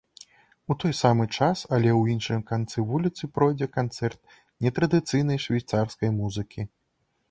У той самы час, але ў іншых канцы вуліцы пройдзе канцэрт нетрадыцыйнай швейцарскай музыкі.